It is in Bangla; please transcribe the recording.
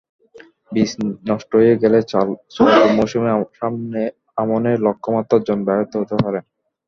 বীজ নষ্ট হয়ে গেলে চলতি মৌসুমে আমনের লক্ষ্যমাত্রা অর্জন ব্যাহত হতে পারে।